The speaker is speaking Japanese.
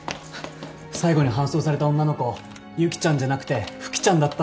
最後に搬送された女の子ゆきちゃんじゃなくてふきちゃんだったんですよ。